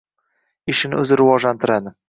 ishini o‘zi rivojlantiradi.